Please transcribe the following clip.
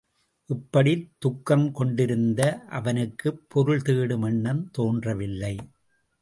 இப்படி துக்கம் கொண்டிருந்த அவனுக்குப் பொருள் தேடும் எண்ணம் தோன்றவில்லை.